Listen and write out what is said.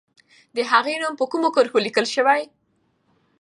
د هغې نوم په کومو کرښو لیکل سوی؟